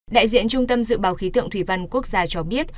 đại diện trung tâm dự báo khí tượng thủy văn quốc gia cho biết